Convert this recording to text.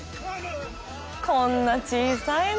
こんな小さいのに。